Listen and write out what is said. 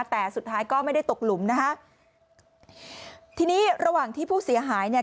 แต่สุดท้ายก็ไม่ได้ตกหลุมนะคะทีนี้ระหว่างที่ผู้เสียหายเนี่ย